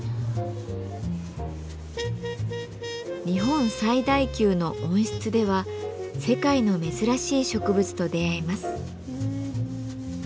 日本最大級の温室では世界の珍しい植物と出会えます。